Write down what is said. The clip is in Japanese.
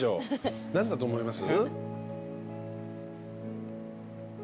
何だと思います？